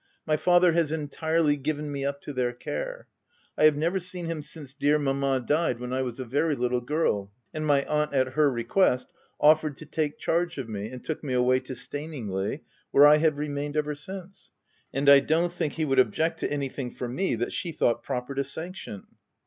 My father has entirely given me up to their care. I have never seen him since dear mamma died when I was a very little girl, and my aunt, at her request, offered to take charge of me, and took me away to Staningley, where I have remained ever since ; and I don't think he would object to anything for me, that she thought proper to sanction."